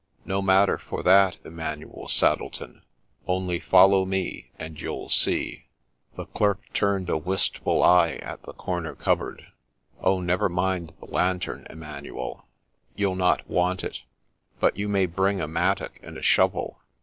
4 No matter for that, Emmanuel Saddleton ; only follow me, and you'll see !' The Clerk turned a wistful eye at the corner cupboard. ' Oh ! never mind the lantern, Emmanuel : you'll not want it : but you may bring a mattock and a shovel.'